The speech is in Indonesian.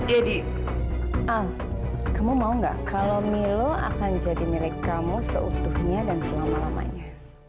jadi kamu mau nggak kalau milo akan jadi milik kamu seutuhnya dan selama lamanya